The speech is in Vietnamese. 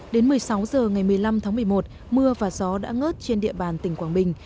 đến một mươi sáu h ngày một mươi năm tháng một mươi một mưa và gió đã ngớt trên địa bàn tỉnh quảng bình